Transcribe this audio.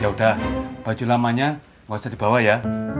yaudah baju lamanya nggak usah dibawa ya